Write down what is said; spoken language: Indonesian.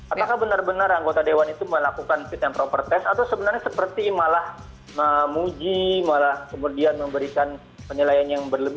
apakah benar benar anggota dewan itu melakukan fit and proper test atau sebenarnya seperti malah memuji malah kemudian memberikan penilaian yang berlebih